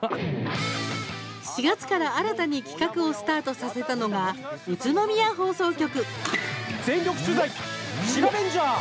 ４月から新たに企画をスタートさせたのが宇都宮放送局。